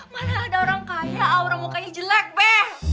mana ada orang kaya aura mukanya jelek bang